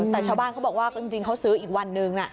แต่ชาวบ้านเขาบอกว่าจริงเขาซื้ออีกวันนึง